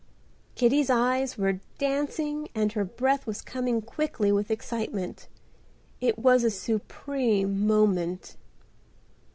Kitty's eyes were dancing and her breath was coming quickly with excitement. It was a supreme moment.